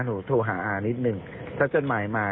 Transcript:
ถูกห่าอ่านิดนึงถ้าจดหมายมา